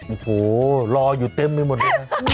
โอ้โฮรออยู่เต็มไม่หมดนะ